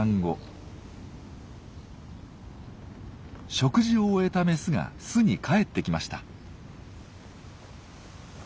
食事を終えたメスが巣に帰ってきました。